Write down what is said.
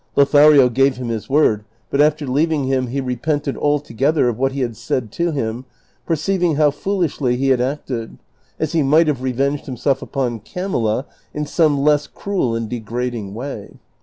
Lothario gave him his word, but after leaving him he repented altogether of what he had said to him, perceiving how foolishly he had acted, as he might have revenged himself upon Camilla in some less cruel and degrading way.